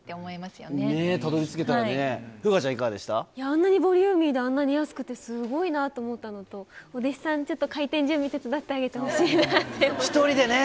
あんなにボリューミーであんなに安くて、すごいなって思ったなと、お弟子さん、ちょっと開店準備、手伝ってあげてほしいなって思いましたね。